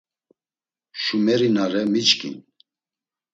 Şumeri na re miçkin.